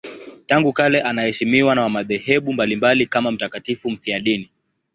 Tangu kale anaheshimiwa na madhehebu mbalimbali kama mtakatifu mfiadini.